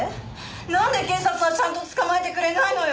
なんで警察はちゃんと捕まえてくれないのよ！